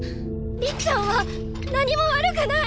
りっちゃんは何も悪くない！